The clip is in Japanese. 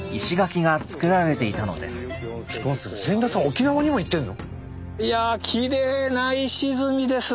沖縄にも行ってんの？